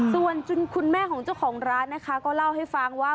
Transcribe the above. ส่วนคุณแม่ของเจ้าของร้านนะคะก็เล่าให้ฟังว่า